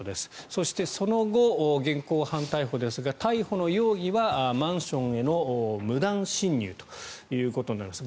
そして、その後現行犯逮捕ですが逮捕の容疑はマンションへの無断侵入ということになりました。